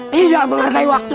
tidak menghargai waktu